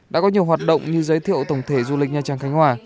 đã có nhiều hoạt động như giới thiệu tổng thể du lịch nha trang khánh hòa